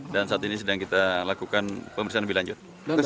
dan saat ini sedang kita lakukan pemeriksaan lebih lanjut